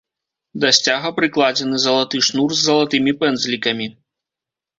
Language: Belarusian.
Да сцяга прыкладзены залаты шнур з залатымі пэндзлікамі.